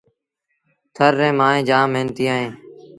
ٿر ريٚݩ مائيٚݩ جآم مهنتيٚ اهيݩ